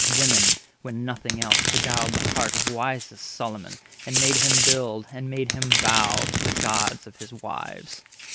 Women, when nothing else, beguiled the heart Of wisest Solomon, and made him build, 170 And made him bow, to the gods of his wives."